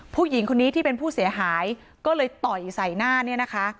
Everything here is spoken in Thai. ผู้หญิงคนนี้ที่เป็นผู้เสียหายก็เลยต่อยใส่หน้าเนี่ยนะคะ